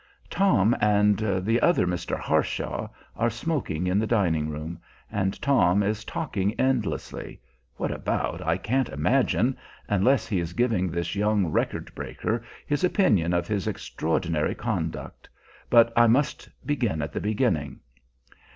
Tom and the other Mr. Harshaw are smoking in the dining room, and Tom is talking endlessly what about I can't imagine, unless he is giving this young record breaker his opinion of his extraordinary conduct. But I must begin at the beginning.